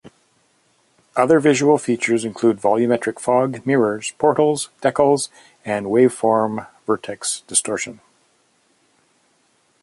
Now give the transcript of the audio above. Other visual features include volumetric fog, mirrors, portals, decals, and wave-form vertex distortion.